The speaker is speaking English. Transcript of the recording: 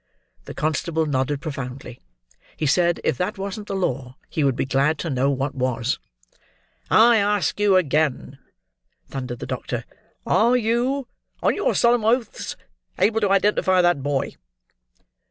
The constable nodded profoundly. He said, if that wasn't law, he would be glad to know what was. "I ask you again," thundered the doctor, "are you, on your solemn oaths, able to identify that boy?"